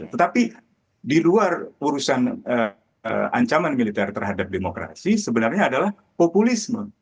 tetapi di luar urusan ancaman militer terhadap demokrasi sebenarnya adalah populisme